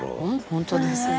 本当ですね。